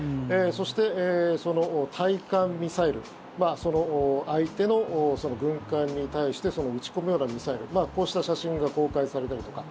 そして、対艦ミサイル相手の軍艦に対して撃ち込むようなミサイルこうした写真が公開されたりとか。